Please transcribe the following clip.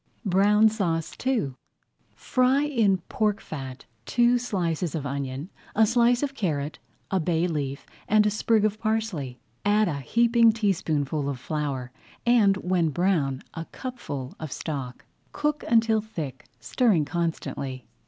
BROWN SAUCE II Fry in pork fat two slices of onion, a slice of carrot, a bay leaf, and a sprig of parsley. Add a heaping teaspoonful of flour and, when brown, a cupful of stock. Cook until thick, stirring constantly.